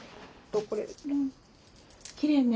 きれいね。